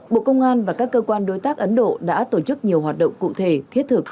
bộ công an và các cơ quan đối tác ấn độ đã tổ chức nhiều hoạt động cụ thể thiết thực